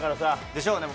でしょうね。